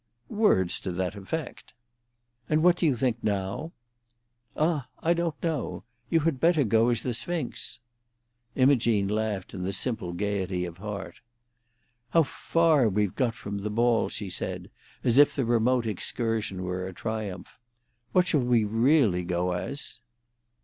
"Words to that effect." "And what do you think now?" "Ah, I don't know. You had better go as the Sphinx." Imogene laughed in simple gaiety of heart. "How far we've got from the ball!" she said, as if the remote excursion were a triumph. "What shall we really go as?"